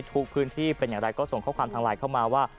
ทุกพื้นที่เป็นอย่างไรก็ส่งข้อความทางไลน์เข้ามาว่า